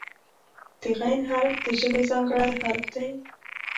د "غ" حرف د ژبې ځانګړی حرف دی.